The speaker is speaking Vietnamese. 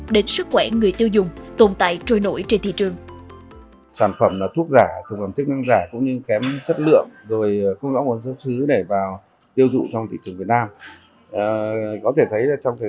đến sức khỏe người tiêu dùng tồn tại trôi nổi trên thị trường